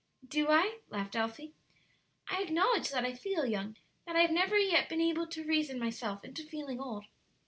"Do I?" laughed Elsie. "I acknowledge that I feel young that I have never yet been able to reason myself into feeling old."